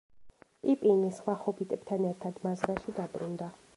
პიპინი სხვა ჰობიტებთან ერთად მაზრაში დაბრუნდა.